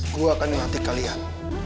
gua akan ngantik kalian